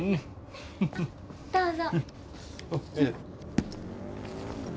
どうぞ。